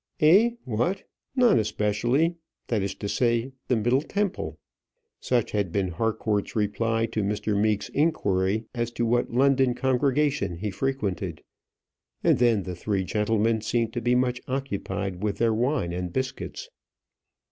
"Eh! what! none especially; that is to say, the Middle Temple." Such had been Harcourt's reply to Mr. Meek's inquiry as to what London congregation he frequented; and then the three gentlemen seemed to be much occupied with their wine and biscuits.